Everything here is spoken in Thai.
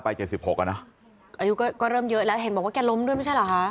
ไป๗๖อ่ะนะอายุก็เริ่มเยอะแล้วเห็นว่าแกล้มด้วยไม่ใช่หรอ